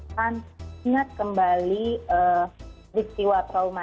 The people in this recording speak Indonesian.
dan ingat kembali peristiwa trauma